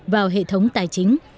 vào hệ thống tài chính